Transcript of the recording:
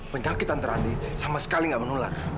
penyakitan terandi sama sekali gak menular